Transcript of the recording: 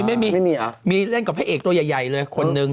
ไม่มีอะมีเล่นกับแม่เอกตัวใหญ่เลยคนหนึ่ง